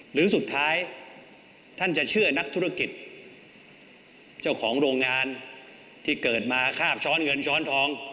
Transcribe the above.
หรือสุดท้ายท่านจะเชื่อนักธุรกิจเจ้าของโรงงานที่เกิดมาคาบช้อนเงินช้อนทอง